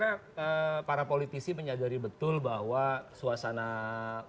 saya kira para politisi menyadari betul bahwa suasana hidup kita kita harus menjaga keamanan kita